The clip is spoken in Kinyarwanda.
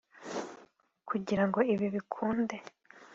Kugira ngo ibi bikunde